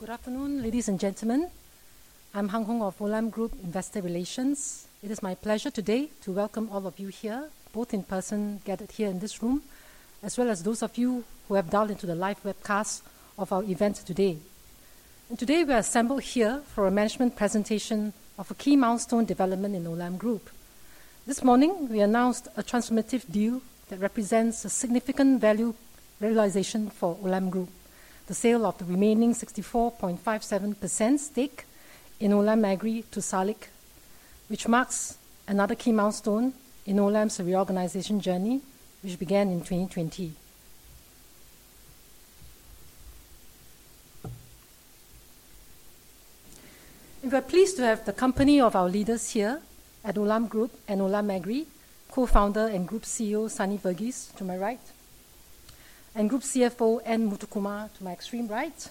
Good afternoon, ladies and gentlemen. I'm Hung Hoang of Olam Group Investor Relations. It is my pleasure today to welcome all of you here, both in person gathered here in this room, as well as those of you who have dialed into the live webcast of our event today. Today, we are assembled here for a management presentation of a key milestone development in Olam Group. This morning, we announced a transformative deal that represents a significant value realization for Olam Group: the sale of the remaining 64.57% stake in Olam Agri to SALIC, which marks another key milestone in Olam's reorganization journey, which began in 2020. We are pleased to have the company of our leaders here at Olam Group and Olam Agri: Co-founder and Group CEO Sunny Verghese to my right, and Group CFO N. Muthukumar to my extreme right,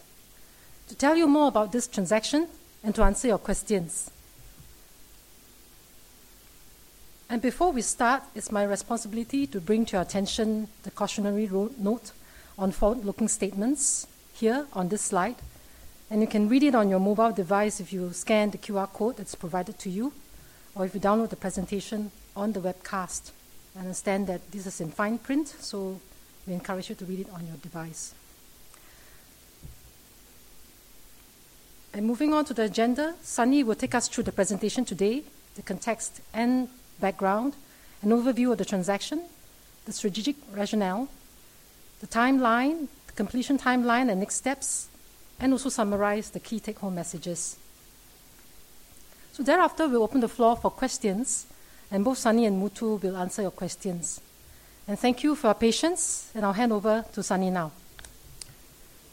to tell you more about this transaction and to answer your questions, and before we start, it's my responsibility to bring to your attention the cautionary note on forward-looking statements here on this slide, and you can read it on your mobile device if you scan the QR code that's provided to you, or if you download the presentation on the webcast. I understand that this is in fine print, so we encourage you to read it on your device. And moving on to the agenda, Sunny will take us through the presentation today, the context and background, an overview of the transaction, the strategic rationale, the timeline, the completion timeline and next steps, and also summarize the key take-home messages. So thereafter, we'll open the floor for questions, and both Sunny and Muthu will answer your questions. And thank you for your patience, and I'll hand over to Sunny now.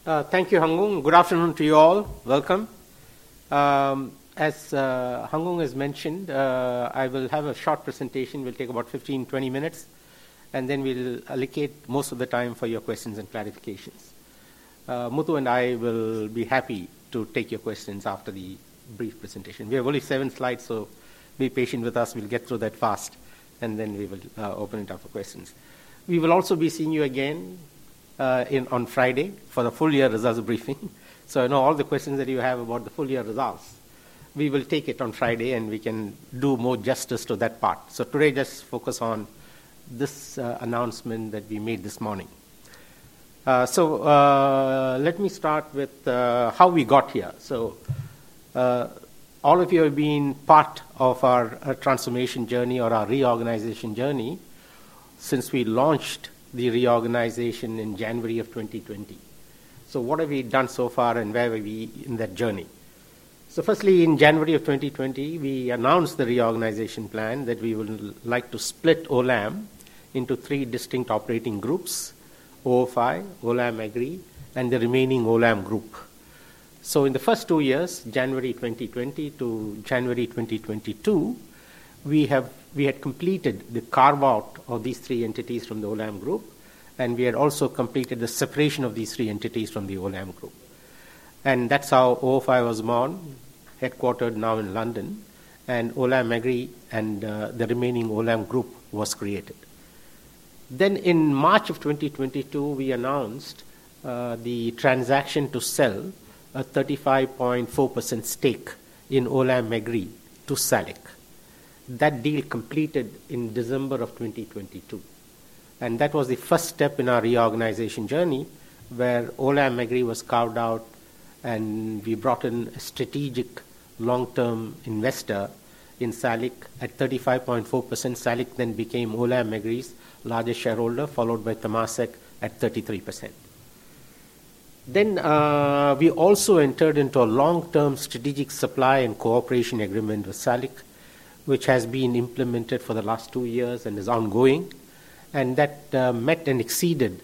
Thank you, Hung Hoang. Good afternoon to you all. Welcome. As Hung Hoang has mentioned, I will have a short presentation. It will take about 15-20 minutes, and then we'll allocate most of the time for your questions and clarifications. Muthu and I will be happy to take your questions after the brief presentation. We have only seven slides, so be patient with us. We'll get through that fast, and then we will open it up for questions. We will also be seeing you again on Friday for the full-year results briefing. So I know all the questions that you have about the full-year results. We will take it on Friday, and we can do more justice to that part. So today, just focus on this announcement that we made this morning. So let me start with how we got here. All of you have been part of our transformation journey or our reorganization journey since we launched the reorganization in January of 2020. What have we done so far, and where were we in that journey? Firstly, in January of 2020, we announced the reorganization plan that we would like to split Olam into three distinct operating groups: OFI, Olam Agri, and the remaining Olam Group. In the first two years, January 2020 to January 2022, we had completed the carve-out of these three entities from the Olam Group, and we had also completed the separation of these three entities from the Olam Group. That's how OFI was born, headquartered now in London, and Olam Agri and the remaining Olam Group was created. In March of 2022, we announced the transaction to sell a 35.4% stake in Olam Agri to SALIC. That deal completed in December of 2022. And that was the first step in our reorganization journey where Olam Agri was carved out, and we brought in a strategic long-term investor in SALIC at 35.4%. SALIC then became Olam Agri's largest shareholder, followed by Temasek at 33%. Then we also entered into a long-term strategic supply and cooperation agreement with SALIC, which has been implemented for the last two years and is ongoing. And that met and exceeded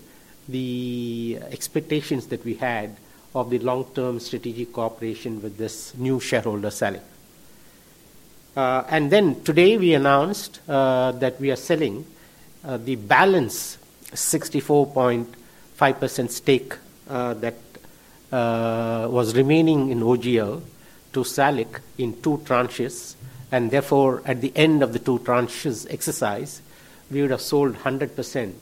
the expectations that we had of the long-term strategic cooperation with this new shareholder, SALIC. And then today, we announced that we are selling the balance, 64.5% stake that was remaining in OGL to SALIC in two tranches. And therefore, at the end of the two tranches exercise, we would have sold 100%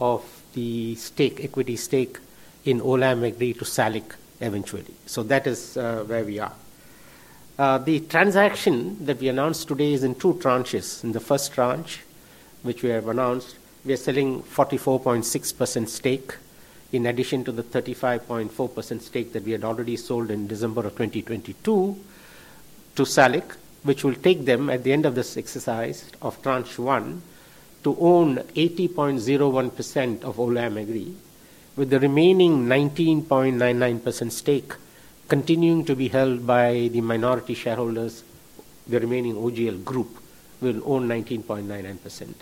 of the stake, equity stake in Olam Agri to SALIC eventually. So that is where we are. The transaction that we announced today is in two tranches. In the first tranche, which we have announced, we are selling 44.6% stake in addition to the 35.4% stake that we had already sold in December of 2022 to SALIC, which will take them, at the end of this exercise of tranche one, to own 80.01% of Olam Agri, with the remaining 19.99% stake continuing to be held by the minority shareholders. The remaining Olam Group will own 19.99%.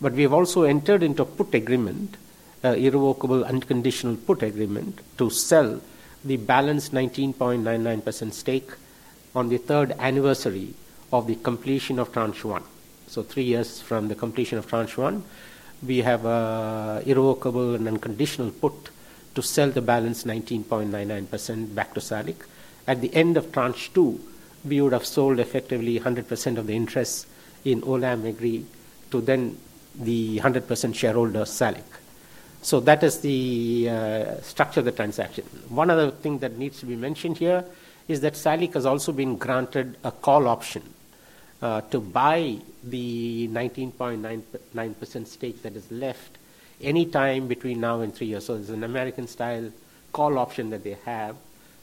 But we have also entered into a put agreement, an irrevocable unconditional put agreement, to sell the balance 19.99% stake on the third anniversary of the completion of tranche one. So three years from the completion of tranche one, we have an irrevocable and unconditional put to sell the balance 19.99% back to SALIC. At the end of tranche two, we would have sold effectively 100% of the interest in Olam Agri to then the 100% shareholder SALIC. So that is the structure of the transaction. One other thing that needs to be mentioned here is that SALIC has also been granted a call option to buy the 19.99% stake that is left anytime between now and three years. So there's an American-style call option that they have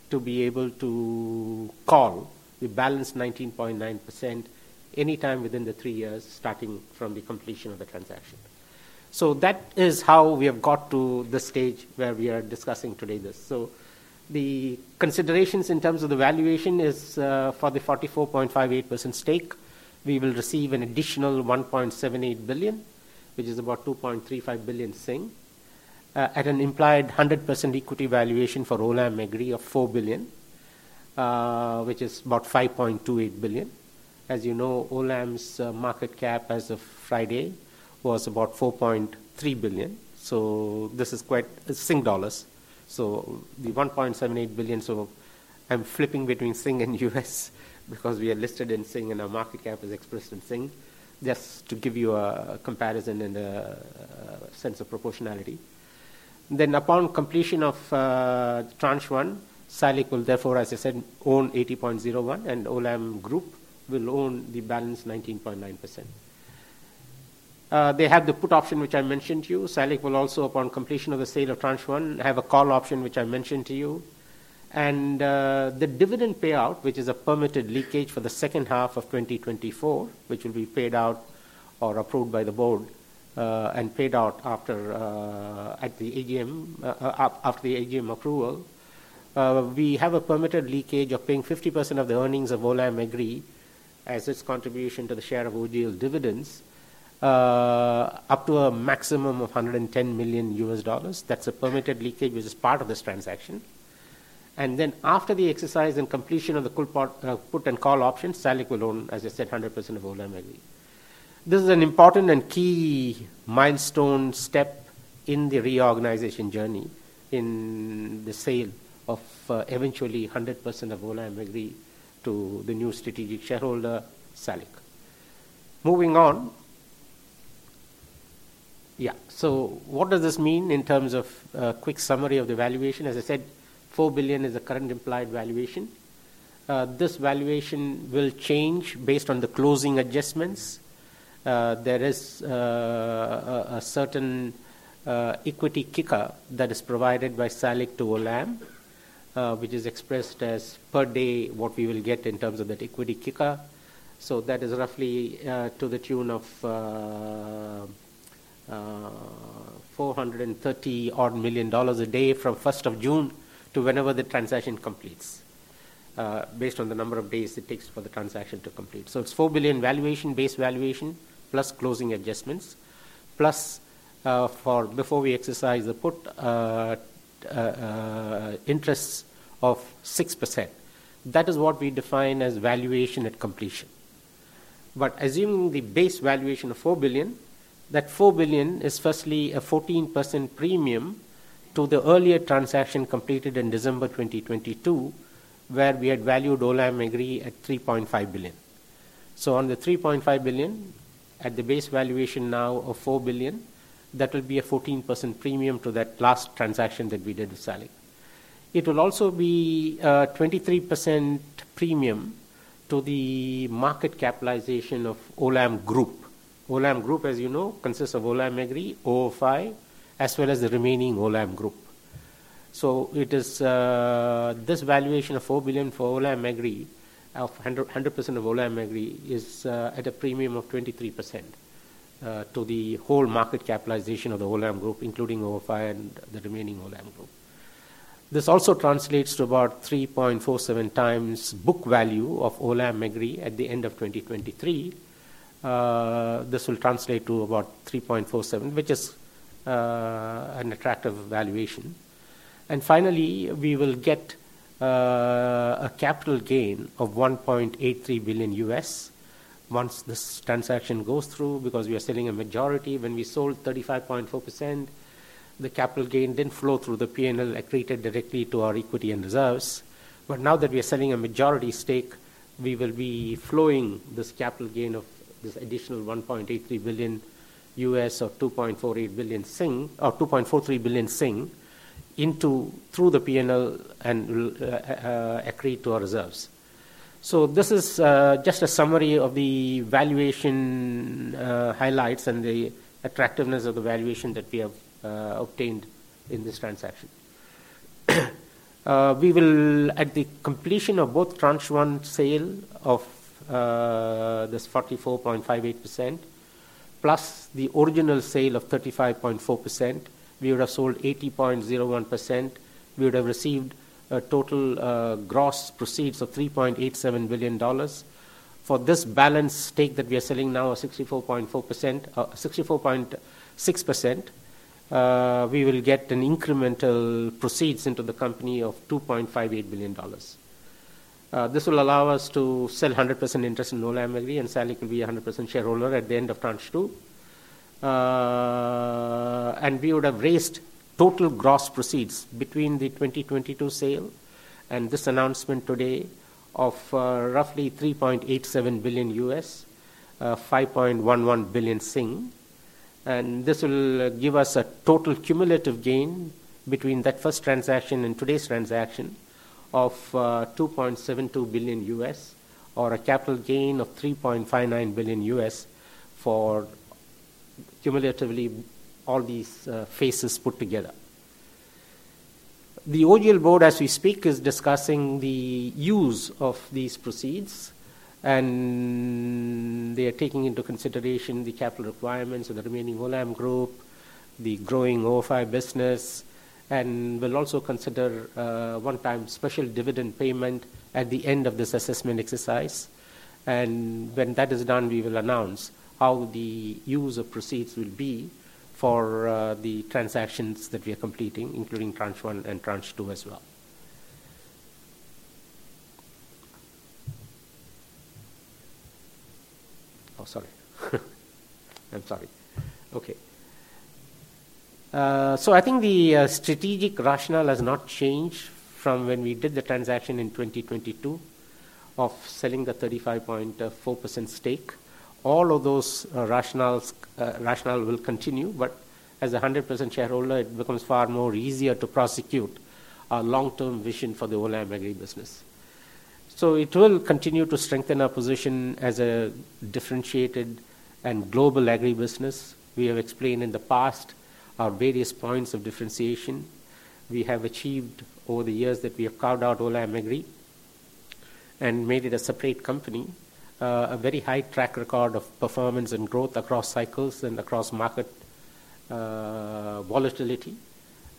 to be able to call the balance 19.99% anytime within the three years starting from the completion of the transaction. So that is how we have got to the stage where we are discussing today this. So the considerations in terms of the valuation is for the 44.58% stake, we will receive an additional $1.78 billion, which is about 2.35 billion, at an implied 100% equity valuation for Olam Agri of $4 billion, which is about 5.28 billion. As you know, Olam's market cap as of Friday was about 4.3 billion. So this is quite Sing dollars. So the $1.78 billion, so I'm flipping between Sing and US because we are listed in Sing and our market cap is expressed in Sing, just to give you a comparison and a sense of proportionality. Then upon completion of tranche one, SALIC will therefore, as I said, own 80.01%, and Olam Group will own the balance 19.9%. They have the put option, which I mentioned to you. SALIC will also, upon completion of the sale of tranche one, have a call option, which I mentioned to you. The dividend payout, which is a permitted leakage for the second half of 2024, which will be paid out or approved by the board and paid out after the AGM approval, we have a permitted leakage of paying 50% of the earnings of Olam Agri as its contribution to the share of OGL dividends up to a maximum of $110 million. That's a permitted leakage, which is part of this transaction. After the exercise and completion of the put and call option, SALIC will own, as I said, 100% of Olam Agri. This is an important and key milestone step in the reorganization journey in the sale of eventually 100% of Olam Agri to the new strategic shareholder, SALIC. Moving on. Yeah. What does this mean in terms of a quick summary of the valuation? As I said, $4 billion is the current implied valuation. This valuation will change based on the closing adjustments. There is a certain equity kicker that is provided by SALIC to Olam, which is expressed as per day what we will get in terms of that equity kicker. So that is roughly to the tune of $430-odd million a day from 1st of June to whenever the transaction completes, based on the number of days it takes for the transaction to complete. So it's $4 billion valuation, base valuation, plus closing adjustments, plus for before we exercise the put, interests of 6%. That is what we define as valuation at completion. But assuming the base valuation of $4 billion, that $4 billion is firstly a 14% premium to the earlier transaction completed in December 2022, where we had valued Olam Agri at $3.5 billion. On the $3.5 billion, at the base valuation now of $4 billion, that will be a 14% premium to that last transaction that we did with SALIC. It will also be a 23% premium to the market capitalization of Olam Group. Olam Group, as you know, consists of Olam Agri, OFI, as well as the remaining Olam Group. This valuation of $4 billion for Olam Agri, of 100% of Olam Agri, is at a premium of 23% to the whole market capitalization of the Olam Group, including OFI and the remaining Olam Group. This also translates to about 3.47 times book value of Olam Agri at the end of 2023. This will translate to about 3.47, which is an attractive valuation. Finally, we will get a capital gain of $1.83 billion once this transaction goes through, because we are selling a majority. When we sold 35.4%, the capital gain didn't flow through the P&L accreted directly to our equity and reserves. But now that we are selling a majority stake, we will be flowing this capital gain of this additional $1.83 billion or 2.43 billion into through the P&L and accrete to our reserves. So this is just a summary of the valuation highlights and the attractiveness of the valuation that we have obtained in this transaction. We will, at the completion of both tranche one sale of this 44.58%, plus the original sale of 35.4%, we would have sold 80.01%. We would have received a total gross proceeds of $3.87 billion. For this balance stake that we are selling now of 64.6%, we will get an incremental proceeds into the company of $2.58 billion. This will allow us to sell 100% interest in Olam Agri, and SALIC will be a 100% shareholder at the end of tranche two. We would have raised total gross proceeds between the 2022 sale and this announcement today of roughly $3.87 billion, 5.11 billion. This will give us a total cumulative gain between that first transaction and today's transaction of $2.72 billion, or a capital gain of $3.59 billion for cumulatively all these phases put together. The OGL Board, as we speak, is discussing the use of these proceeds, and they are taking into consideration the capital requirements of the remaining Olam Group, the growing OFI business, and will also consider one-time special dividend payment at the end of this assessment exercise. When that is done, we will announce how the use of proceeds will be for the transactions that we are completing, including tranche one and tranche two as well. Oh, sorry. I'm sorry. Okay. I think the strategic rationale has not changed from when we did the transaction in 2022 of selling the 35.4% stake. All of those rationales will continue, but as a 100% shareholder, it becomes far more easier to prosecute our long-term vision for the Olam Agri business. It will continue to strengthen our position as a differentiated and global agri business. We have explained in the past our various points of differentiation. We have achieved, over the years that we have carved out Olam Agri and made it a separate company, a very high track record of performance and growth across cycles and across market volatility.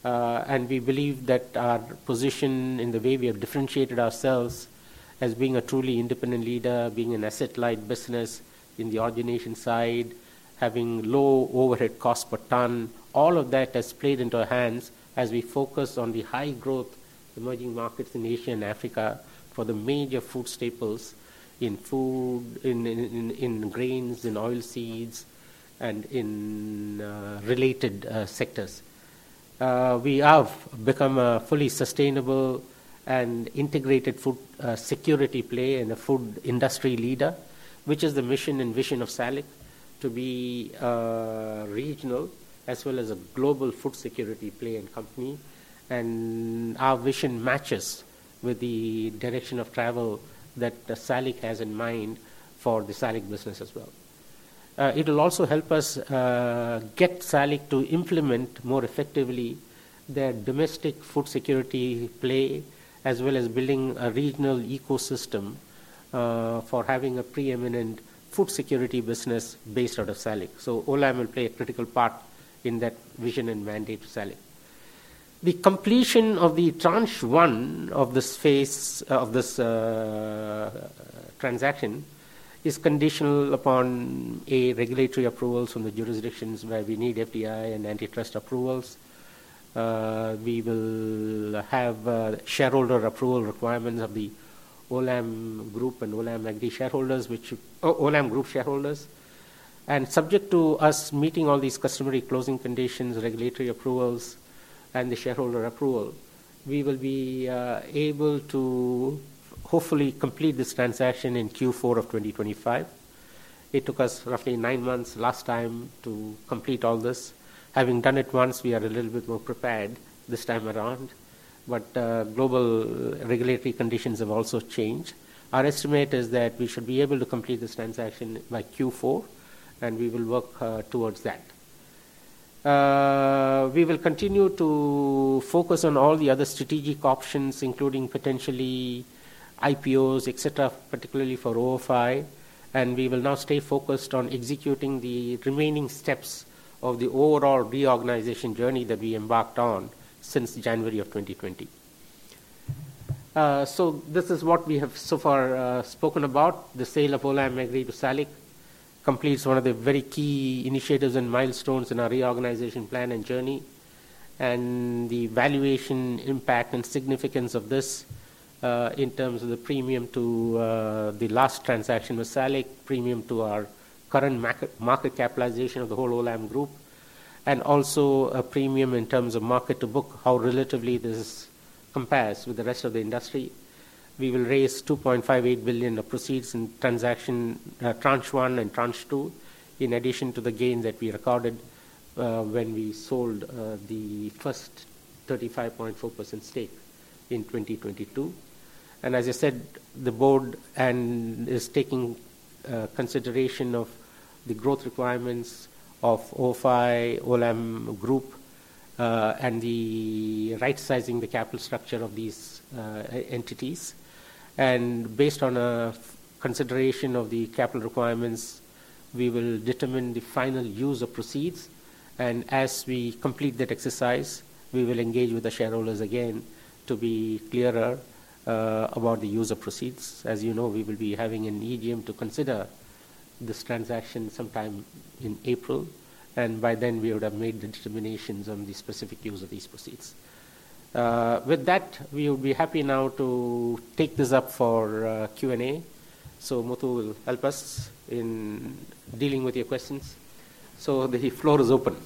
We believe that our position in the way we have differentiated ourselves as being a truly independent leader, being an asset-light business in the origination side, having low overhead costs per ton, all of that has played into our hands as we focus on the high growth emerging markets in Asia and Africa for the major food staples in food, in grains, in oilseeds, and in related sectors. We have become a fully sustainable and integrated food security play and a food industry leader, which is the mission and vision of SALIC, to be regional as well as a global food security play and company. Our vision matches with the direction of travel that SALIC has in mind for the SALIC business as well. It will also help us get SALIC to implement more effectively their domestic food security play, as well as building a regional ecosystem for having a preeminent food security business based out of SALIC, so Olam will play a critical part in that vision and mandate of SALIC. The completion of the tranche one of this phase of this transaction is conditional upon regulatory approvals from the jurisdictions where we need FDI and antitrust approvals. We will have shareholder approval requirements of the Olam Group and Olam Agri shareholders, which Olam Group shareholders, and subject to us meeting all these customary closing conditions, regulatory approvals, and the shareholder approval, we will be able to hopefully complete this transaction in Q4 of 2025. It took us roughly nine months last time to complete all this. Having done it once, we are a little bit more prepared this time around. But global regulatory conditions have also changed. Our estimate is that we should be able to complete this transaction by Q4, and we will work towards that. We will continue to focus on all the other strategic options, including potentially IPOs, etc., particularly for OFI. And we will now stay focused on executing the remaining steps of the overall reorganization journey that we embarked on since January of 2020. So this is what we have so far spoken about. The sale of Olam Agri to SALIC completes one of the very key initiatives and milestones in our reorganization plan and journey. The valuation impact and significance of this in terms of the premium to the last transaction with SALIC, premium to our current market capitalization of the whole Olam Group, and also a premium in terms of market to book, how relatively this compares with the rest of the industry. We will raise $2.58 billion of proceeds in transaction tranche one and tranche two, in addition to the gain that we recorded when we sold the first 35.4% stake in 2022. As I said, the board is taking consideration of the growth requirements of OFI, Olam Group, and the right-sizing of the capital structure of these entities. Based on a consideration of the capital requirements, we will determine the final use of proceeds. As we complete that exercise, we will engage with the shareholders again to be clearer about the use of proceeds. As you know, we will be having an AGM to consider this transaction sometime in April. And by then, we would have made the determinations on the specific use of these proceeds. With that, we would be happy now to take this up for Q&A. So Muthu will help us in dealing with your questions. So the floor is open.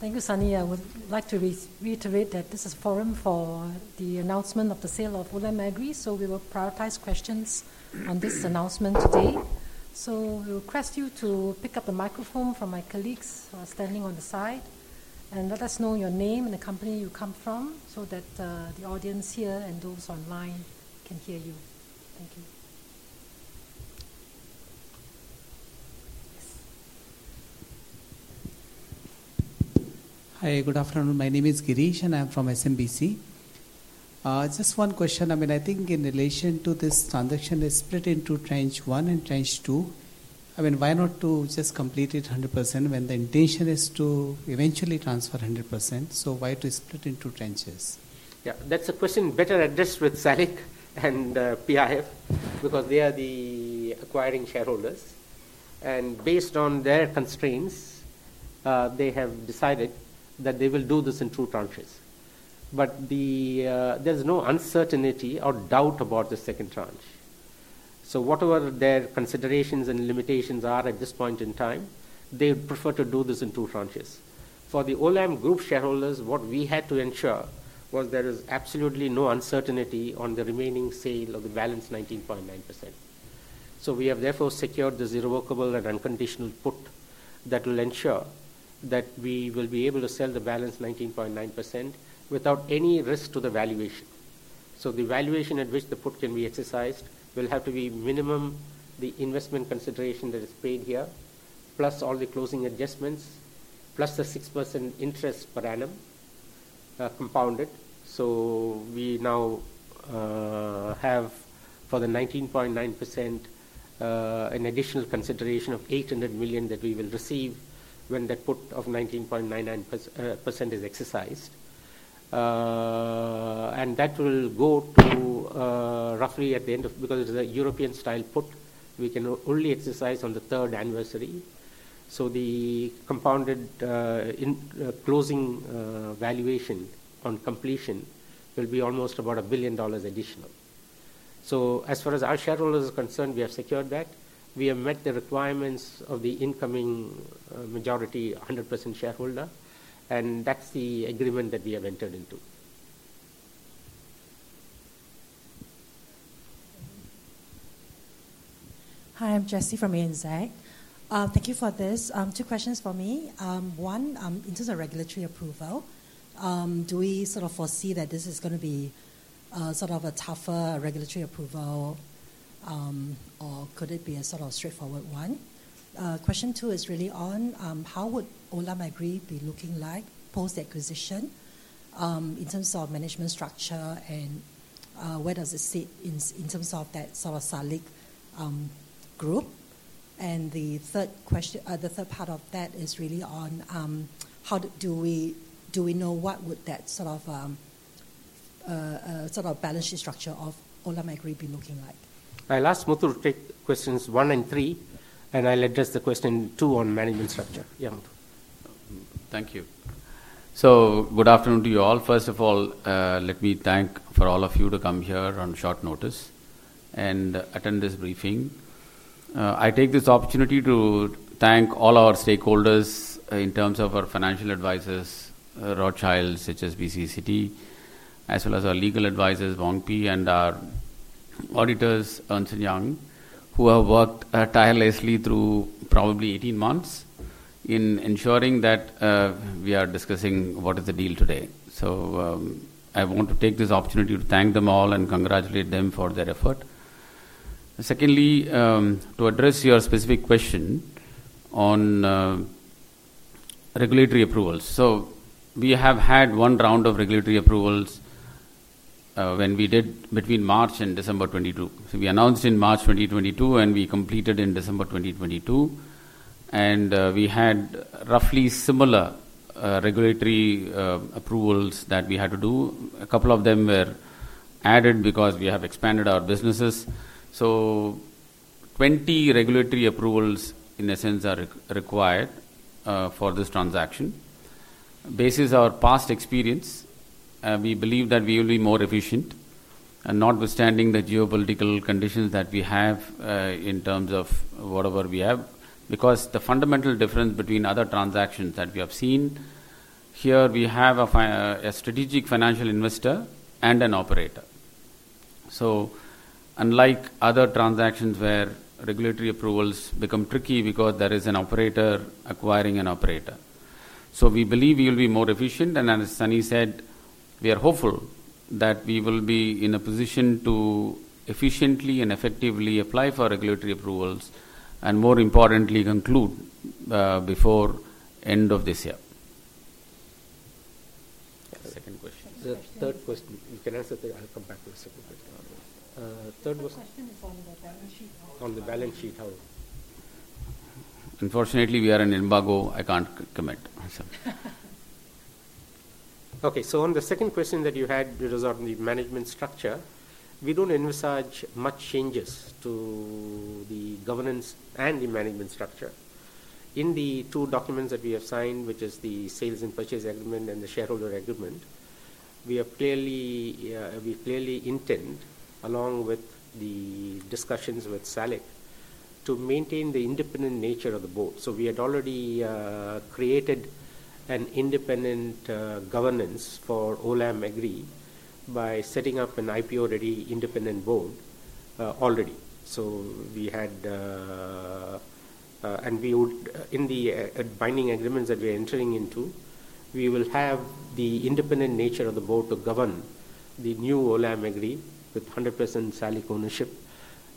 Thank you, Sunny. I would like to reiterate that this is a forum for the announcement of the sale of Olam Agri. So we will prioritize questions on this announcement today. So we request you to pick up the microphone from my colleagues who are standing on the side and let us know your name and the company you come from so that the audience here and those online can hear you. Thank you. Hi, good afternoon. My name is Gireesh, and I'm from SMBC. Just one question. I mean, I think in relation to this transaction, it's split into tranche one and tranche two. I mean, why not to just complete it 100% when the intention is to eventually transfer 100%? So why to split into tranches? Yeah, that's a question better addressed with SALIC and PIF because they are the acquiring shareholders. And based on their constraints, they have decided that they will do this in two tranches. But there's no uncertainty or doubt about the second tranche. So whatever their considerations and limitations are at this point in time, they would prefer to do this in two tranches. For the Olam Group shareholders, what we had to ensure was there is absolutely no uncertainty on the remaining sale of the balance 19.9%. So we have therefore secured the zero-risk workable and unconditional put that will ensure that we will be able to sell the balance 19.9% without any risk to the valuation. So the valuation at which the put can be exercised will have to be minimum the investment consideration that is paid here, plus all the closing adjustments, plus the 6% interest per annum compounded. So we now have for the 19.9% an additional consideration of $800 million that we will receive when that put of 19.9% is exercised. And that will grow to roughly at the end, because it is a European-style put, we can only exercise on the third anniversary. So the compounded closing valuation on completion will be almost about $1 billion additional. So as far as our shareholders are concerned, we have secured that. We have met the requirements of the incoming majority 100% shareholder. That's the agreement that we have entered into. Hi, I'm Jessie from ANZ. Thank you for this. Two questions for me. One, in terms of regulatory approval, do we sort of foresee that this is going to be sort of a tougher regulatory approval, or could it be a sort of straightforward one? Question two is really on how would Olam Agri be looking like post-acquisition in terms of management structure, and where does it sit in terms of that sort of SALIC group? And the third part of that is really on how do we know what would that sort of balance sheet structure of Olam Agri be looking like? I will ask Muthu to take question is one and three, and I'll address the question two on management structure. Yeah, Muthu. Thank you and good afternoon to you all. First of all, let me thank all of you to come here on short notice and attend this briefing. I take this opportunity to thank all our stakeholders in terms of our financial advisors, Rothschild & Co, HSBC, Citi, as well as our legal advisors, WongPartnership, and our auditors, Ernst & Young, who have worked tirelessly through probably 18 months in ensuring that we are discussing what is the deal today. So I want to take this opportunity to thank them all and congratulate them for their effort. Secondly, to address your specific question on regulatory approvals. So we have had one round of regulatory approvals when we did between March and December 2022. So we announced in March 2022, and we completed in December 2022. And we had roughly similar regulatory approvals that we had to do. A couple of them were added because we have expanded our businesses. So 20 regulatory approvals, in a sense, are required for this transaction. Based on our past experience, we believe that we will be more efficient, notwithstanding the geopolitical conditions that we have in terms of whatever we have, because the fundamental difference between other transactions that we have seen here, we have a strategic financial investor and an operator. So unlike other transactions where regulatory approvals become tricky because there is an operator acquiring an operator. So we believe we will be more efficient. And as Sunny said, we are hopeful that we will be in a position to efficiently and effectively apply for regulatory approvals and, more importantly, conclude before the end of this year. Second question. The third question. You can answer that. I'll come back to this a little bit. Third was. Question is on the balance sheet. On the balance sheet, how? Unfortunately, we are in limbo. I can't comment. Okay. So on the second question that you had, it was on the management structure. We don't envisage much changes to the governance and the management structure. In the two documents that we have signed, which are the Sale and Purchase Agreement and the Shareholder Agreement, we clearly intend, along with the discussions with SALIC, to maintain the independent nature of the board. So we had already created an independent governance for Olam Agri by setting up an IPO-ready independent board already. So we had, and in the binding agreements that we are entering into, we will have the independent nature of the board to govern the new Olam Agri with 100% SALIC ownership.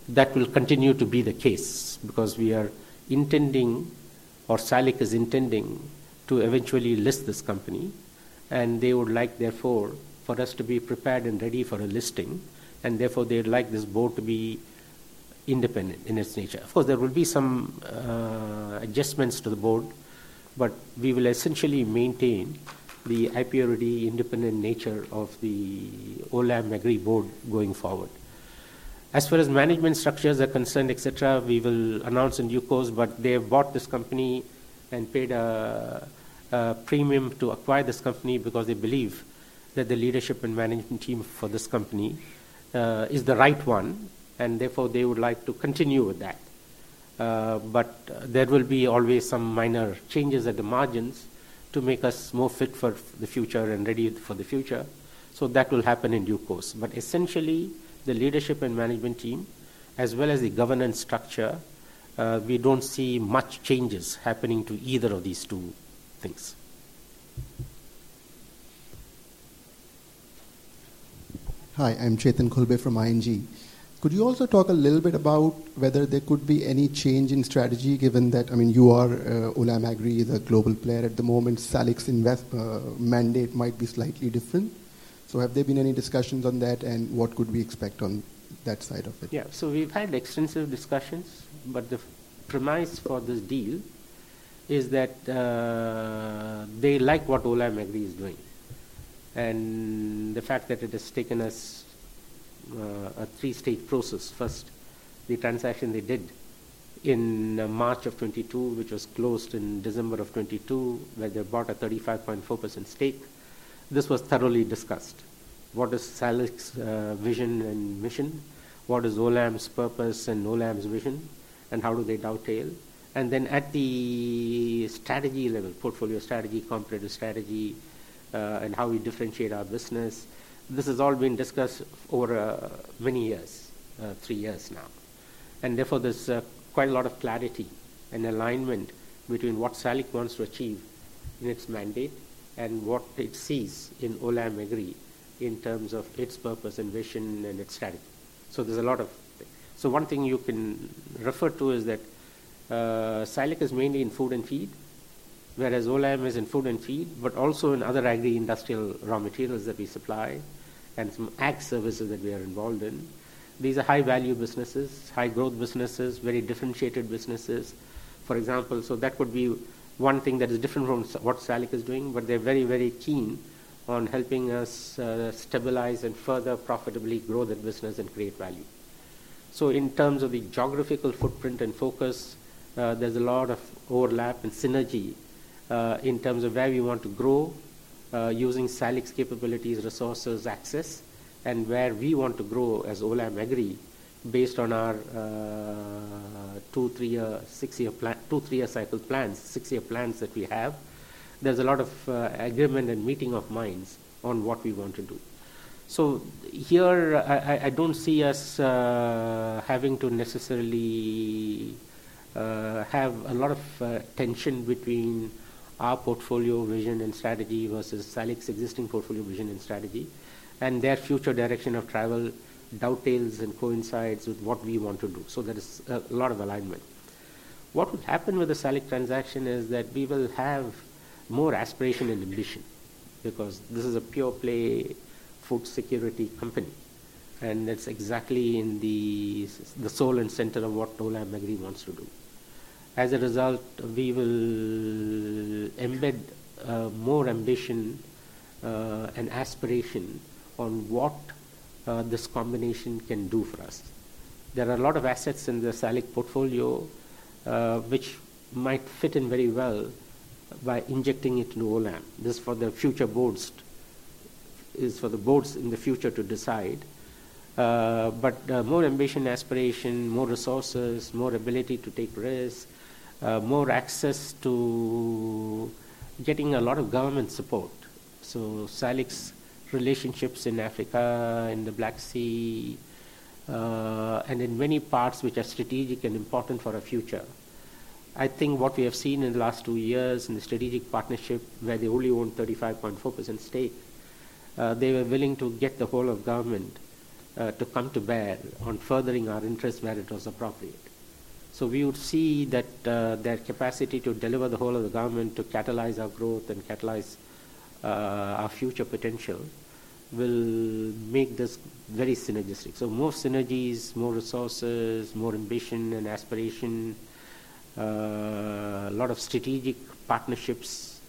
That will continue to be the case because we are intending, or SALIC is intending to eventually list this company. And they would like, therefore, for us to be prepared and ready for a listing. And therefore, they would like this board to be independent in its nature. Of course, there will be some adjustments to the board, but we will essentially maintain the IPO-ready independent nature of the Olam Agri board going forward. As far as management structures are concerned, etc., we will announce in due course. But they have bought this company and paid a premium to acquire this company because they believe that the leadership and management team for this company is the right one. And therefore, they would like to continue with that. But there will be always some minor changes at the margins to make us more fit for the future and ready for the future. So that will happen in due course. But essentially, the leadership and management team, as well as the governance structure, we don't see much changes happening to either of these two things. Hi, I'm Chetan Khulbe from ING. Could you also talk a little bit about whether there could be any change in strategy given that, I mean, you are Olam Agri, the global player at the moment, SALIC's mandate might be slightly different? So have there been any discussions on that, and what could we expect on that side of it? Yeah. So we've had extensive discussions, but the premise for this deal is that they like what Olam Agri is doing. And the fact that it has taken us a three-stage process. First, the transaction they did in March of 2022, which was closed in December of 2022, where they bought a 35.4% stake. This was thoroughly discussed. What is SALIC's vision and mission? What is Olam's purpose and Olam's vision? And how do they dovetail? And then at the strategy level, portfolio strategy, competitor strategy, and how we differentiate our business, this has all been discussed over many years, three years now. And therefore, there's quite a lot of clarity and alignment between what SALIC wants to achieve in its mandate and what it sees in Olam Agri in terms of its purpose and vision and its strategy. So there's a lot of things. So one thing you can refer to is that SALIC is mainly in food and feed, whereas Olam is in food and feed, but also in other agri-industrial raw materials that we supply and some ag services that we are involved in. These are high-value businesses, high-growth businesses, very differentiated businesses. For example, so that would be one thing that is different from what SALIC is doing, but they're very, very keen on helping us stabilize and further profitably grow that business and create value. So in terms of the geographical footprint and focus, there's a lot of overlap and synergy in terms of where we want to grow using SALIC's capabilities, resources, access, and where we want to grow as Olam Agri based on our two, three-year, six-year plan, two, three-year cycle plans, six-year plans that we have. There's a lot of agreement and meeting of minds on what we want to do. So here, I don't see us having to necessarily have a lot of tension between our portfolio vision and strategy versus SALIC's existing portfolio vision and strategy and their future direction of travel dovetails and coincides with what we want to do. So there is a lot of alignment. What will happen with the SALIC transaction is that we will have more aspiration and ambition because this is a pure-play food security company. And that's exactly in the soul and center of what Olam Agri wants to do. As a result, we will embed more ambition and aspiration on what this combination can do for us. There are a lot of assets in the SALIC portfolio which might fit in very well by injecting it into Olam. This is for the future boards, is for the boards in the future to decide. But more ambition, aspiration, more resources, more ability to take risks, more access to getting a lot of government support. So SALIC's relationships in Africa, in the Black Sea, and in many parts which are strategic and important for our future. I think what we have seen in the last two years in the strategic partnership, where they only own 35.4% stake, they were willing to get the whole of government to come to bear on furthering our interests where it was appropriate. So we would see that their capacity to deliver the whole of the government to catalyze our growth and catalyze our future potential will make this very synergistic. So more synergies, more resources, more ambition and aspiration, a lot of strategic partnerships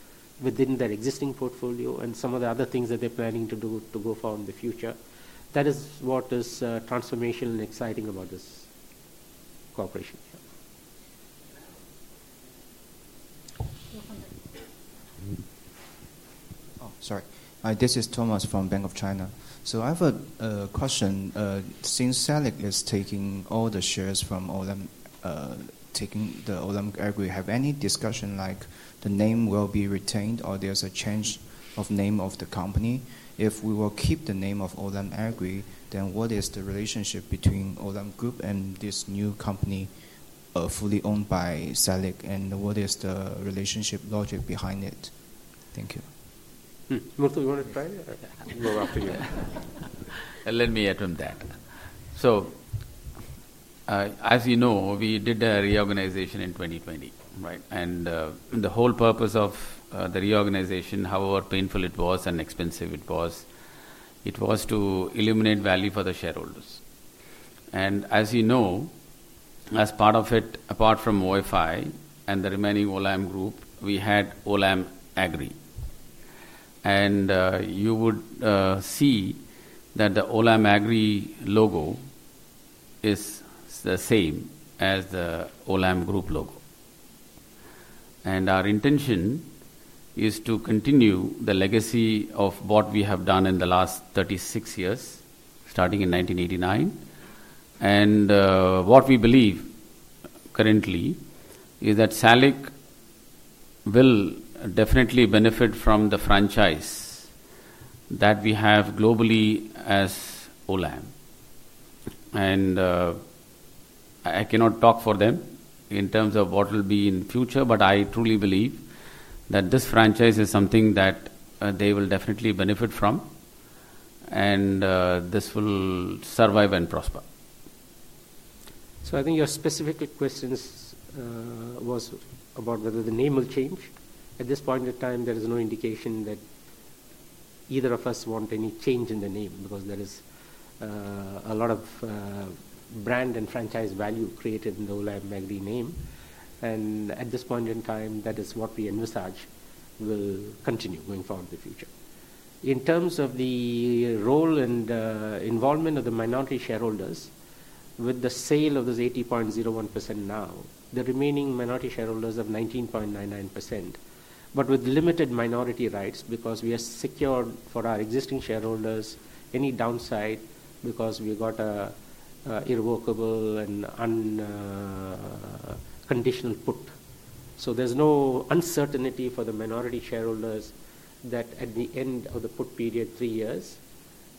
within their existing portfolio and some of the other things that they're planning to do to go forward in the future. That is what is transformational and exciting about this cooperation. Oh, sorry. This is Thomas from Bank of China. So I have a question. Since SALIC is taking all the shares from Olam, taking the Olam Agri, have any discussion like the name will be retained or there's a change of name of the company? If we will keep the name of Olam Agri, then what is the relationship between Olam Group and this new company fully owned by SALIC? And what is the relationship logic behind it? Thank you. Muthu, you want to try it or? We'll go after you. Let me add on that. So as you know, we did a reorganization in 2020, right? And the whole purpose of the reorganization, however painful it was and expensive it was, it was to eliminate value for the shareholders. And as you know, as part of it, apart from OFI and the remaining Olam Group, we had Olam Agri. You would see that the Olam Agri logo is the same as the Olam Group logo. Our intention is to continue the legacy of what we have done in the last 36 years, starting in 1989. What we believe currently is that SALIC will definitely benefit from the franchise that we have globally as Olam. I cannot talk for them in terms of what will be in the future, but I truly believe that this franchise is something that they will definitely benefit from, and this will survive and prosper. Your specific question was about whether the name will change. At this point in time, there is no indication that either of us want any change in the name because there is a lot of brand and franchise value created in the Olam Agri name. At this point in time, that is what we envisage will continue going forward in the future. In terms of the role and involvement of the minority shareholders, with the sale of this 80.01% now, the remaining minority shareholders have 19.99%, but with limited minority rights because we have secured for our existing shareholders any downside because we got an irrevocable and unconditional put. So there's no uncertainty for the minority shareholders that at the end of the put period, three years,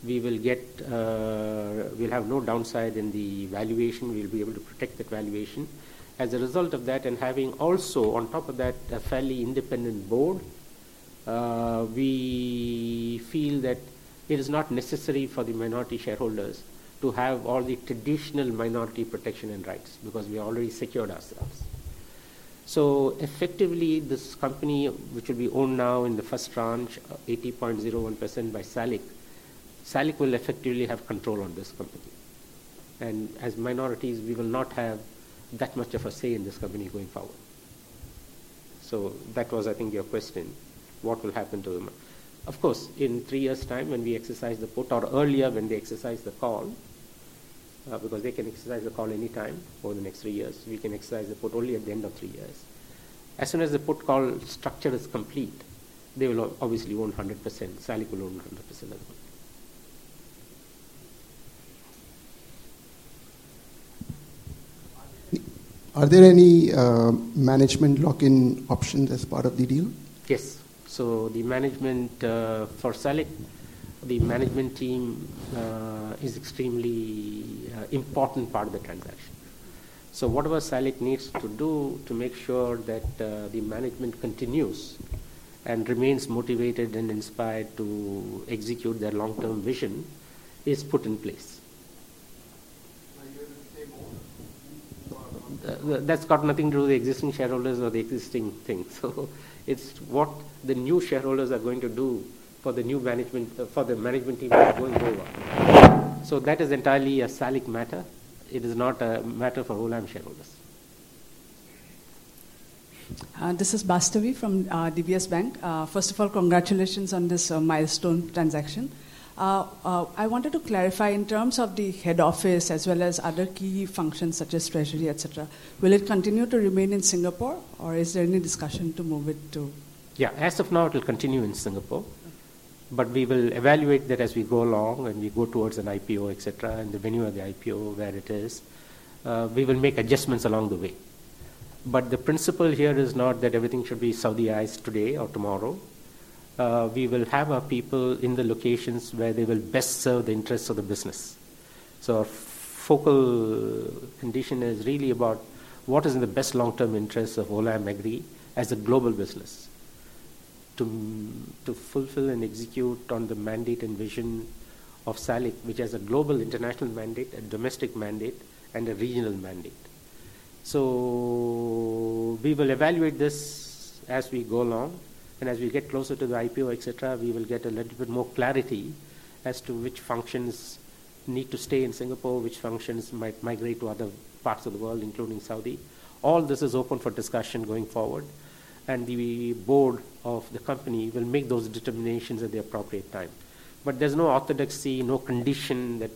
we will have no downside in the valuation. We'll be able to protect that valuation. As a result of that, and having also on top of that, a fairly independent board, we feel that it is not necessary for the minority shareholders to have all the traditional minority protection and rights because we already secured ourselves. So effectively, this company, which will be owned now in the first tranche 80.01% by SALIC, SALIC will effectively have control on this company. And as minorities, we will not have that much of a say in this company going forward. So that was, I think, your question, what will happen to the money. Of course, in three years' time, when we exercise the put or earlier when they exercise the call, because they can exercise the call anytime over the next three years, we can exercise the put only at the end of three years. As soon as the put call structure is complete, they will obviously own 100%. SALIC will own 100% of the money. Are there any management lock-in options as part of the deal? Yes. So the management for SALIC, the management team is an extremely important part of the transaction. So whatever SALIC needs to do to make sure that the management continues and remains motivated and inspired to execute their long-term vision is put in place. That's got nothing to do with the existing shareholders or the existing thing. So it's what the new shareholders are going to do for the new management for the management team going forward. So that is entirely a SALIC matter. It is not a matter for Olam shareholders. This is Bastavee from DBS Bank. First of all, congratulations on this milestone transaction. I wanted to clarify in terms of the head office as well as other key functions such as treasury, etc. Will it continue to remain in Singapore, or is there any discussion to move it to? Yeah. As of now, it will continue in Singapore. We will evaluate that as we go along and we go towards an IPO, etc., and the venue of the IPO, where it is. We will make adjustments along the way. The principle here is not that everything should be Saudi-ized today or tomorrow. We will have our people in the locations where they will best serve the interests of the business. Our focal condition is really about what is in the best long-term interest of Olam Agri as a global business to fulfill and execute on the mandate and vision of SALIC, which has a global international mandate, a domestic mandate, and a regional mandate. We will evaluate this as we go along. As we get closer to the IPO, etc., we will get a little bit more clarity as to which functions need to stay in Singapore, which functions might migrate to other parts of the world, including Saudi. All this is open for discussion going forward. The board of the company will make those determinations at the appropriate time. But there's no orthodoxy, no condition that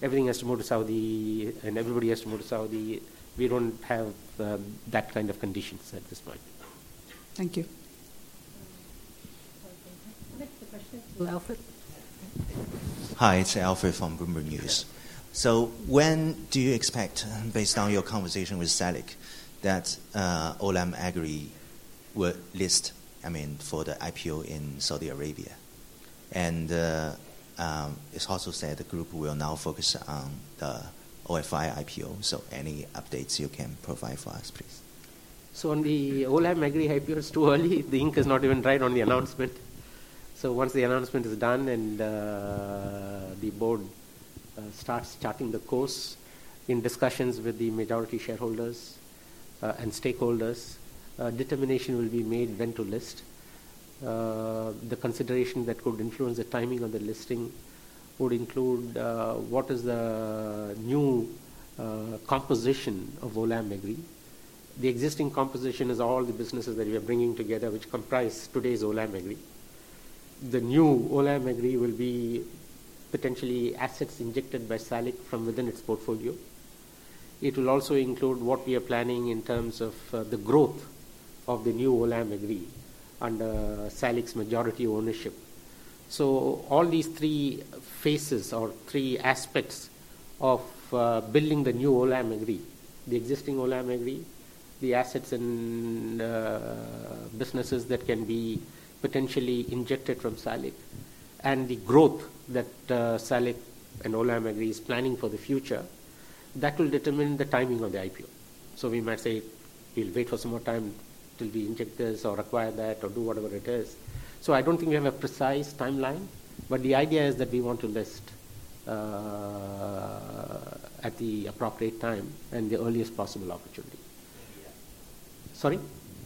everything has to move to Saudi and everybody has to move to Saudi. We don't have that kind of conditions at this point. Thank you. Next, the question is to Alfred. Hi. It's Alfred from Bloomberg News. So when do you expect, based on your conversation with SALIC, that Olam Agri will list, I mean, for the IPO in Saudi Arabia? And it's also said the group will now focus on the OFI IPO. So any updates you can provide for us, please. So on the Olam Agri IPO, it's too early. The ink is not even dried on the announcement. So once the announcement is done and the board starts charting the course in discussions with the majority shareholders and stakeholders, determination will be made when to list. The consideration that could influence the timing of the listing would include what is the new composition of Olam Agri. The existing composition is all the businesses that we are bringing together, which comprise today's Olam Agri. The new Olam Agri will be potentially assets injected by SALIC from within its portfolio. It will also include what we are planning in terms of the growth of the new Olam Agri under SALIC's majority ownership. So all these three phases or three aspects of building the new Olam Agri, the existing Olam Agri, the assets and businesses that can be potentially injected from SALIC, and the growth that SALIC and Olam Agri is planning for the future, that will determine the timing of the IPO. So we might say we'll wait for some more time till we inject this or acquire that or do whatever it is. So I don't think we have a precise timeline, but the idea is that we want to list at the appropriate time and the earliest possible opportunity. India. Sorry?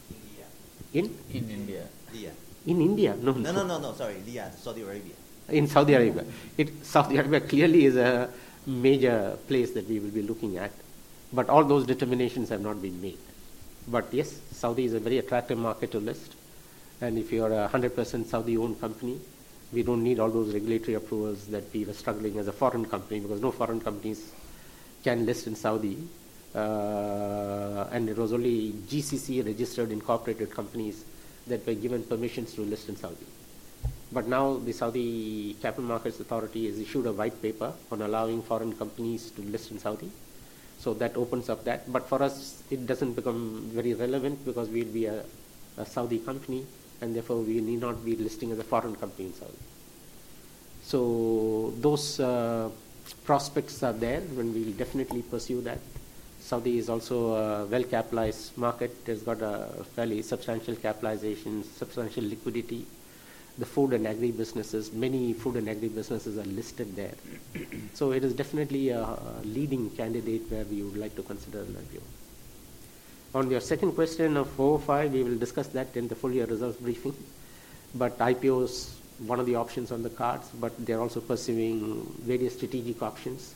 India. In? In India. India. In India? No, no, no, no. Sorry. India, Saudi Arabia. In Saudi Arabia. Saudi Arabia clearly is a major place that we will be looking at. But all those determinations have not been made. But yes, Saudi is a very attractive market to list. And if you're a 100% Saudi-owned company, we don't need all those regulatory approvals that we were struggling as a foreign company because no foreign companies can list in Saudi. And it was only GCC registered incorporated companies, that were given permissions to list in Saudi. But now the Saudi Capital Market Authority has issued a white paper on allowing foreign companies to list in Saudi. So that opens up that. But for us, it doesn't become very relevant because we'd be a Saudi company, and therefore we need not be listing as a foreign company in Saudi. So those prospects are there when we definitely pursue that. Saudi is also a well-capitalized market. It has got a fairly substantial capitalization, substantial liquidity. The food and agri businesses, many food and agri businesses are listed there. So it is definitely a leading candidate where we would like to consider an IPO. On your second question of OFI, we will discuss that in the full year results briefing. But IPO is one of the options on the cards, but they're also pursuing various strategic options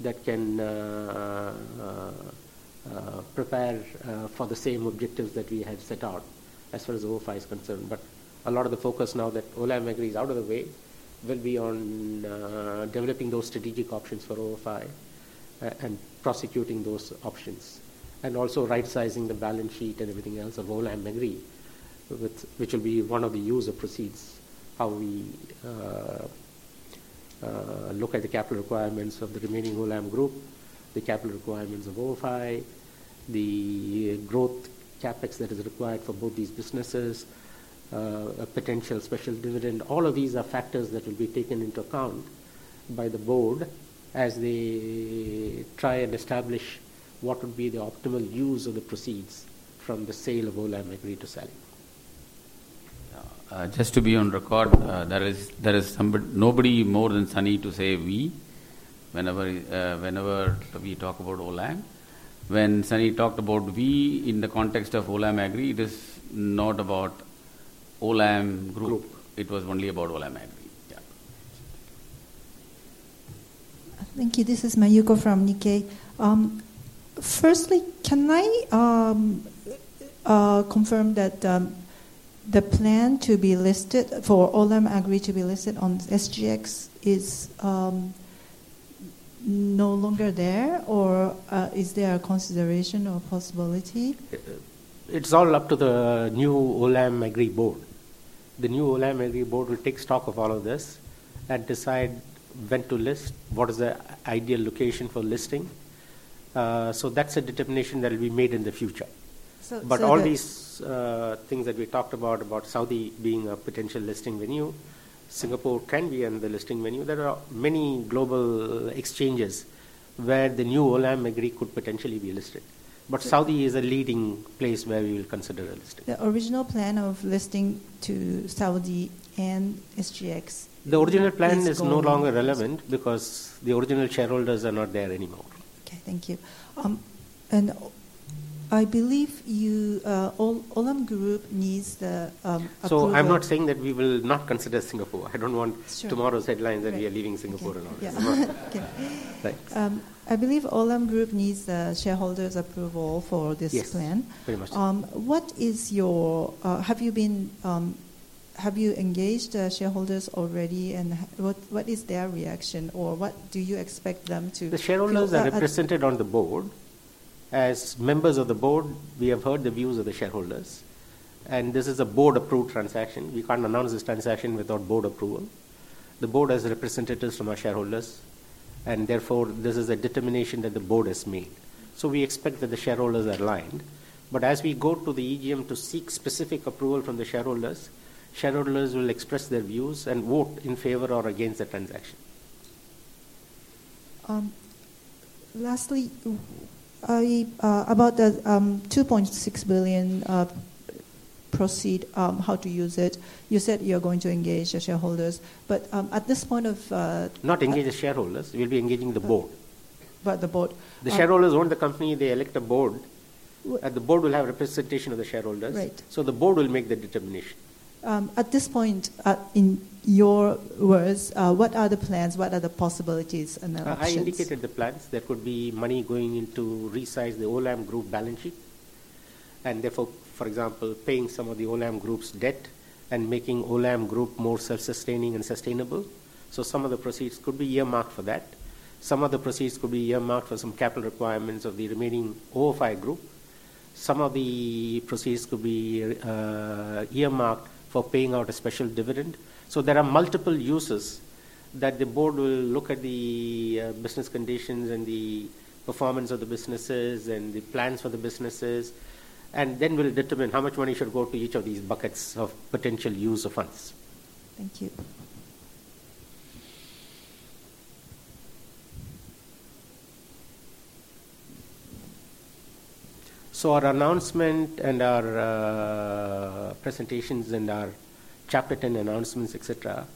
that can prepare for the same objectives that we had set out as far as OFI is concerned. But a lot of the focus now that Olam Agri is out of the way will be on developing those strategic options for OFI and prosecuting those options and also right-sizing the balance sheet and everything else of Olam Agri, which will be one of the use of proceeds, how we look at the capital requirements of the remaining Olam Group, the capital requirements of OFI, the growth CapEx that is required for both these businesses, a potential special dividend. All of these are factors that will be taken into account by the board as they try and establish what would be the optimal use of the proceeds from the sale of Olam Agri to SALIC. Just to be on record, there is nobody more than Sunny to say we whenever we talk about Olam. When Sunny talked about we in the context of Olam Agri, it is not about Olam Group. It was only about Olam Agri. Yeah. Thank you. This is Mayuko from Nikkei. Firstly, can I confirm that the plan to be listed for Olam Agri to be listed on SGX is no longer there, or is there a consideration or possibility? It's all up to the new Olam Agri board. The new Olam Agri board will take stock of all of this and decide when to list, what is the ideal location for listing. So that's a determination that will be made in the future. But all these things that we talked about, about Saudi being a potential listing venue, Singapore can be a listing venue. There are many global exchanges where the new Olam Agri could potentially be listed. But Saudi is a leading place where we will consider a listing. The original plan of listing in Saudi and SGX. The original plan is no longer relevant because the original shareholders are not there anymore. Okay. Thank you. And I believe Olam Group needs the approval. So I'm not saying that we will not consider Singapore. I don't want tomorrow's headlines that we are leaving Singapore and all this. Thanks. I believe Olam Group needs the shareholders' approval for this plan. Yes. Very much so. Have you engaged shareholders already, and what is their reaction, or what do you expect them to? The shareholders are represented on the board. As members of the board, we have heard the views of the shareholders. And this is a board-approved transaction. We can't announce this transaction without board approval. The board has representatives from our shareholders, and therefore this is a determination that the board has made. So we expect that the shareholders are aligned. But as we go to the EGM to seek specific approval from the shareholders, shareholders will express their views and vote in favor or against the transaction. Lastly, about the 2.6 billion proceeds, how to use it, you said you're going to engage the shareholders. But at this point of. Not engage the shareholders. We'll be engaging the board. But the board. The shareholders own the company. They elect a board. The board will have representation of the shareholders. So the board will make the determination. At this point, in your words, what are the plans? What are the possibilities and the options? I indicated the plans. There could be money going into resize the Olam Group balance sheet and therefore, for example, paying some of the Olam Group's debt and making Olam Group more self-sustaining and sustainable. So some of the proceeds could be earmarked for that. Some of the proceeds could be earmarked for some capital requirements of the remaining OFI Group. Some of the proceeds could be earmarked for paying out a special dividend. So there are multiple uses that the board will look at the business conditions and the performance of the businesses and the plans for the businesses, and then will determine how much money should go to each of these buckets of potential use of funds. Thank you. So our announcement and our presentations and our Chapter 10 announcements, etc.,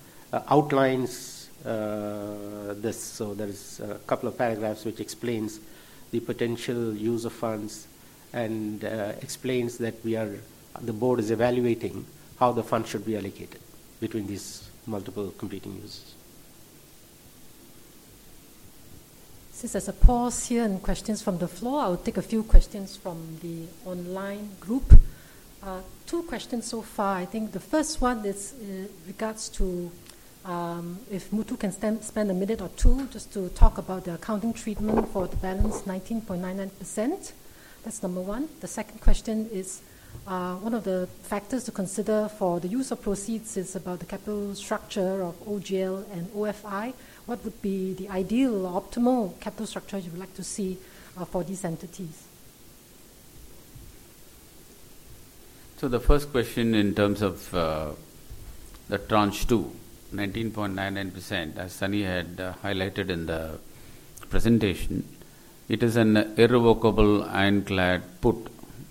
outlines this. So there is a couple of paragraphs which explains the potential use of funds and explains that the board is evaluating how the funds should be allocated between these multiple competing uses. This is a pause here and questions from the floor. I'll take a few questions from the online group. Two questions so far. I think the first one regards to if Muthu can spend a minute or two just to talk about the accounting treatment for the balance 19.99%. That's number one. The second question is one of the factors to consider for the use of proceeds is about the capital structure of OGL and OFI. What would be the ideal or optimal capital structure you would like to see for these entities? So the first question in terms of the tranche 2, 19.99%, as Sunny had highlighted in the presentation, it is an irrevocable ironclad put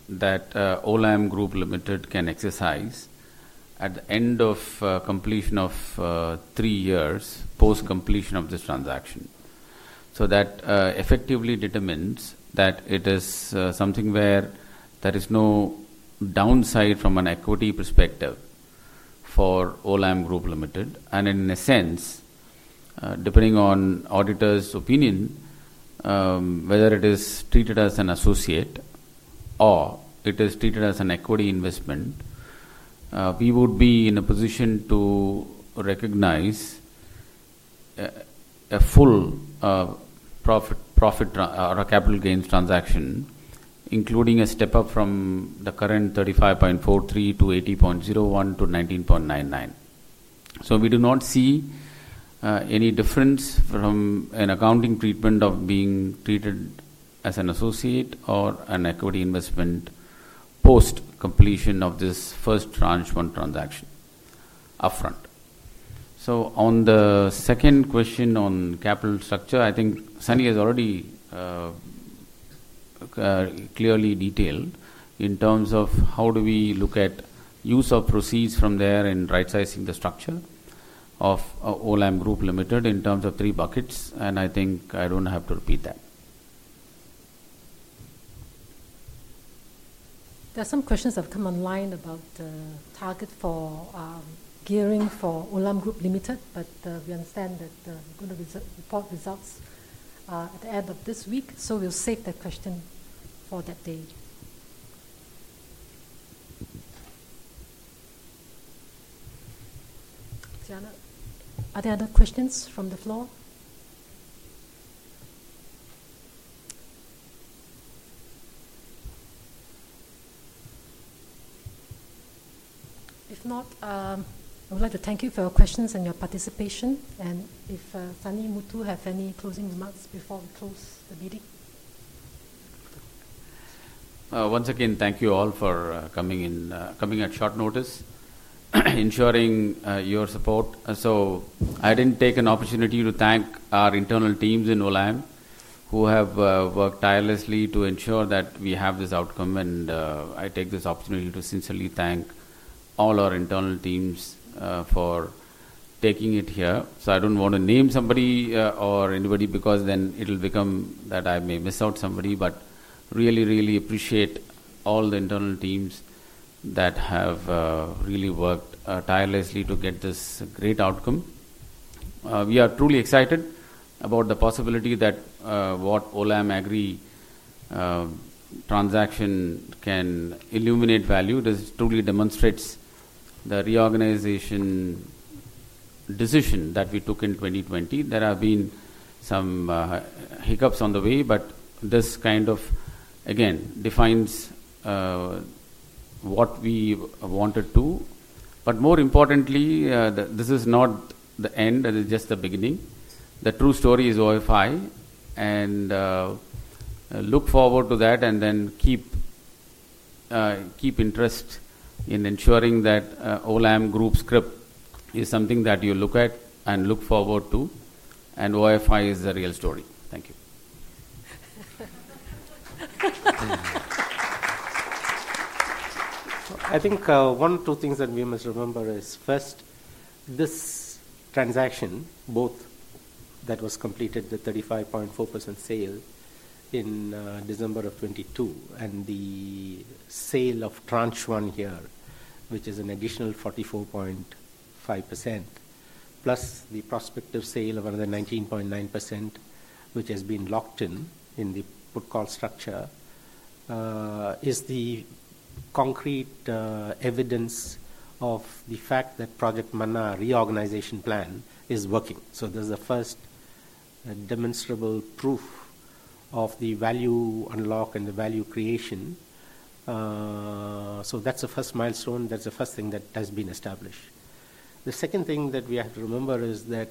that Olam Group Limited can exercise at the end of completion of three years post-completion of this transaction. So that effectively determines that it is something where there is no downside from an equity perspective for Olam Group Limited. In a sense, depending on auditor's opinion, whether it is treated as an associate or it is treated as an equity investment, we would be in a position to recognize a full profit or a capital gains transaction, including a step up from the current 35.43% to 18.01% to 19.99%. We do not see any difference from an accounting treatment of being treated as an associate or an equity investment post-completion of this first tranche one transaction upfront. On the second question on capital structure, I think Sunny has already clearly detailed in terms of how do we look at use of proceeds from there and right-sizing the structure of Olam Group Limited in terms of three buckets. I think I don't have to repeat that. There are some questions that have come online about the target for gearing for Olam Group Limited, but we understand that the report results at the end of this week, so we'll save that question for that day. Are there other questions from the floor? If not, I would like to thank you for your questions and your participation, and if Sunny, Muthu have any closing remarks before we close the meeting? Once again, thank you all for coming at short notice, ensuring your support. So I didn't take an opportunity to thank our internal teams in Olam who have worked tirelessly to ensure that we have this outcome, and I take this opportunity to sincerely thank all our internal teams for taking it here, so I don't want to name somebody or anybody because then it'll become that I may miss out somebody. But really, really appreciate all the internal teams that have really worked tirelessly to get this great outcome. We are truly excited about the possibility that the Olam Agri transaction can illuminate value. This truly demonstrates the reorganization decision that we took in 2020. There have been some hiccups on the way, but this kind of, again, defines what we wanted to. But more importantly, this is not the end. It is just the beginning. The true story is OFI. And look forward to that and then keep interest in ensuring that Olam Group's scrip is something that you look at and look forward to. And OFI is the real story. Thank you. I think one or two things that we must remember is first, this transaction, both that was completed, the 35.4% sale in December of 2022 and the sale of tranche one here, which is an additional 44.5%, plus the prospective sale of another 19.9%, which has been locked in in the put-call structure, is the concrete evidence of the fact that Project Manna reorganization plan is working. So there's a first demonstrable proof of the value unlock and the value creation. So that's the first milestone. That's the first thing that has been established. The second thing that we have to remember is that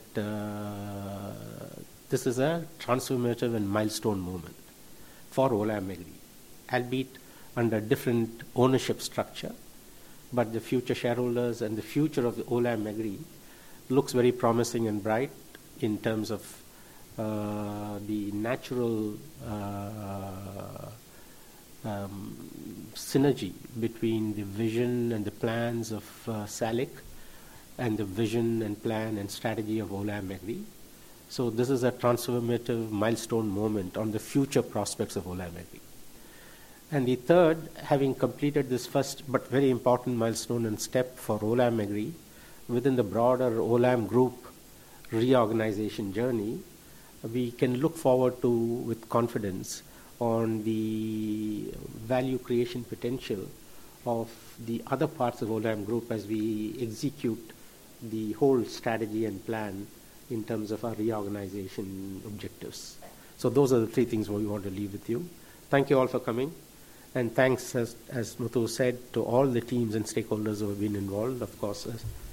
this is a transformative and milestone moment for Olam Agri, albeit under different ownership structure. But the future shareholders and the future of Olam Agri looks very promising and bright in terms of the natural synergy between the vision and the plans of SALIC and the vision and plan and strategy of Olam Agri, so this is a transformative milestone moment on the future prospects of Olam Agri, and the third, having completed this first but very important milestone and step for Olam Agri within the broader Olam Group reorganization journey, we can look forward to with confidence on the value creation potential of the other parts of Olam Group as we execute the whole strategy and plan in terms of our reorganization objectives, so those are the three things we want to leave with you. Thank you all for coming, and thanks, as Muthu said, to all the teams and stakeholders who have been involved. Of course,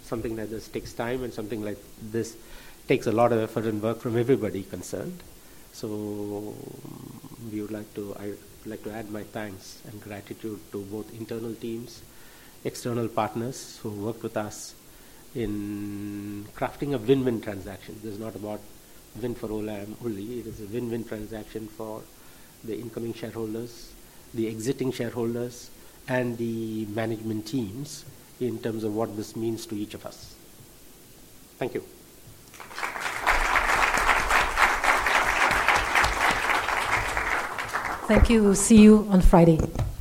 something like this takes time, and something like this takes a lot of effort and work from everybody concerned. So we would like to add my thanks and gratitude to both internal teams, external partners who worked with us in crafting a win-win transaction. This is not about win for Olam only. It is a win-win transaction for the incoming shareholders, the exiting shareholders, and the management teams in terms of what this means to each of us. Thank you. Thank you. We'll see you on Friday.